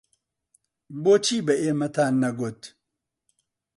بۆچی بە ئێمەتان نەگوت؟